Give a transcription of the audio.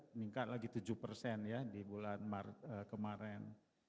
meningkat lagi tujuh ya di bulan kemarin